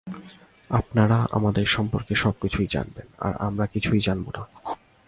আপনারা আমাদের সম্পর্কে সবকিছুই জানবেন, আর আমরা কিছু জানব না।